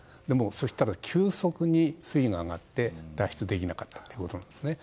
そうしたら急速に水位が上がって脱出できなかったってことなんですね。